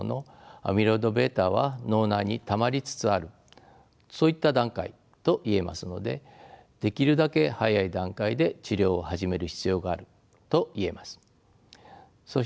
アミロイドβは脳内にたまりつつあるそういった段階と言えますのでできるだけ早い段階で治療を始める必要があると言えます。